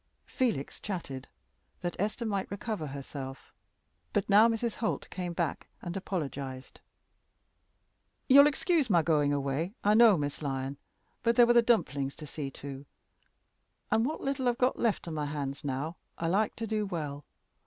Felix chatted, that Esther might recover herself; but now Mrs. Holt came back and apologized. "You'll excuse my going away, I know, Miss Lyon. But there were the dumplings to see to, and what little I've got left on my hands now I like to do well.